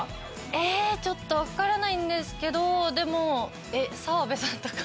えちょっと分からないんですけどでも澤部さんとか？